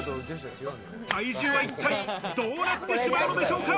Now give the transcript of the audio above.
体重は一体どうなってしまうんでしょうか。